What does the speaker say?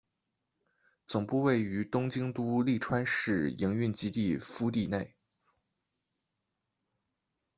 总部位于东京都立川市营运基地敷地内。